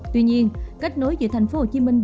tuy nhiên cách nối giữa thành phố hồ chí minh